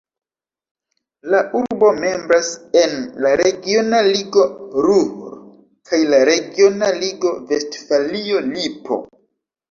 La urbo membras en la regiona ligo Ruhr kaj la regiona ligo Vestfalio-Lipo.